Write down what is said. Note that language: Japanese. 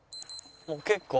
もう結構。